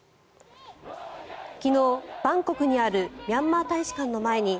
昨日、バンコクにあるミャンマー大使館の前に